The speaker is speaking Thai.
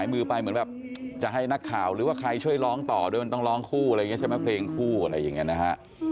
มือไปเหมือนแบบจะให้นักข่าวหรือว่าใครช่วยร้องต่อด้วยมันต้องร้องคู่อะไรอย่างนี้ใช่ไหมเพลงคู่อะไรอย่างนี้นะฮะ